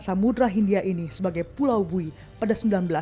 samudera hindia ini sebagai pulau bui pada seribu sembilan ratus delapan puluh